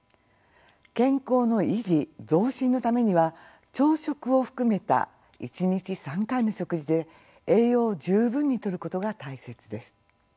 健康の維持・増進のためには朝食を含めた一日３回の食事で栄養を十分にとることが大切です。